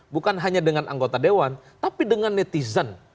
bukan hanya dengan anggota dewan tapi dengan netizen